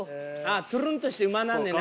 トゥルンとしてうまなんねんな。